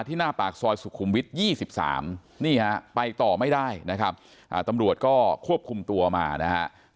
ที่หน้าปากซอยสุขุมวิทย์๒๓ไปต่อไม่ได้ตำรวจควบคุมตัวมานะครับ